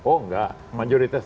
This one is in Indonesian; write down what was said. oh enggak majoritas